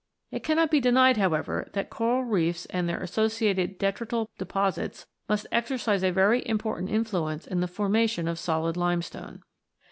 It cannot be denied, however, that coral reefs and their associated detrital deposits must exercise a very important influence in the formation of solid limestone.